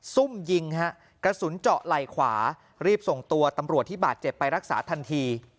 ซุ่มยิงฮะกระสุนเจาะไหล่ขวารีบส่งตัวตำรวจที่บาดเจ็บไปรักษาทันที